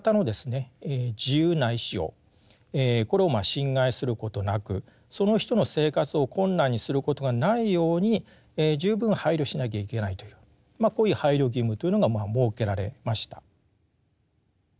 自由な意思をこれを侵害することなくその人の生活を困難にすることがないように十分配慮しなきゃいけないというこういう配慮義務というのがまあ設けられました。